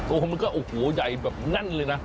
โอ้โหมันก็โอ้โหใหญ่แบบแน่นเลยนะ